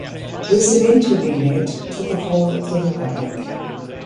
This eventually led to the fall of the Republic.